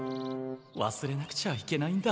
わすれなくちゃいけないんだ。